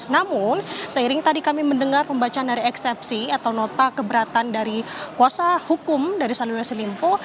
namun seiring tadi kami mendengar pembacaan dari eksepsi atau nota keberatan dari kuasa hukum dari sanul yassin limpo